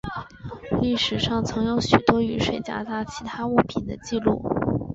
历史上曾有许多雨水夹杂其他物品的记录。